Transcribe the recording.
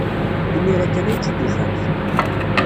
Imir-a kan ay tt-id-tufamt.